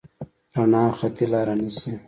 رڼا خطي لاره نیسي.